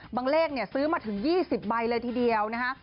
เลขซื้อมาถึง๒๐ใบเลยทีเดียวนะคะ